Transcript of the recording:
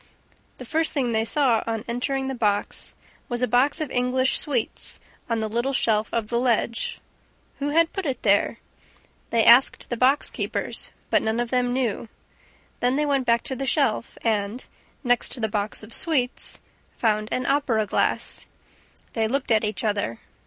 The first thing they saw, on entering the box, was a box of English sweets on the little shelf of the ledge. Who had put it there? They asked the box keepers, but none of them knew. Then they went back to the shelf and, next to the box of sweets, found an opera glass. They looked at each other.